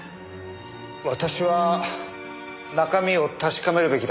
私は中身を確かめるべきだと思います。